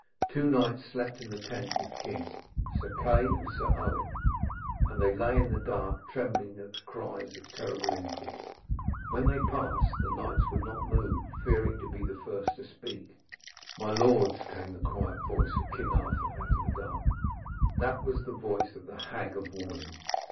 Two knights slept in the tent with king, Sir Kay and Sir Owen; and they lay in the dark, trembling at the cries of terrible import. When they passed, the knights would not move, fearing to be the first to speak. 'My Lords,' came the quiet voice of King Arthur out of the dark, 'that was the voice of the Hag of Warning.